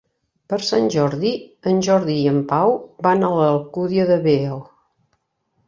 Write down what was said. Per Sant Jordi en Jordi i en Pau van a l'Alcúdia de Veo.